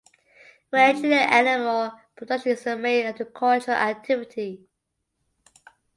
Ranching and animal production is the main agricultural activity.